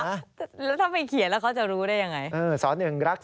แล้วถ้าไปเขียนแล้วเขาจะรู้ได้ยังไง